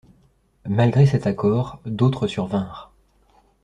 Malgré cet accord, d'autres survinrent.